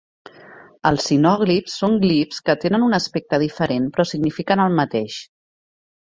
Els sinòglifs són glifs que tenen un aspecte diferent però signifiquen el mateix.